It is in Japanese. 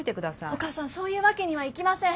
お母さんそういうわけにはいきません。